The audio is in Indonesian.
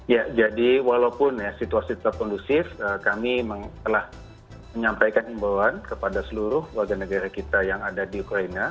ya jadi walaupun ya situasi tetap kondusif kami telah menyampaikan imbauan kepada seluruh warga negara kita yang ada di ukraina